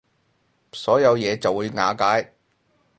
所有嘢就會瓦解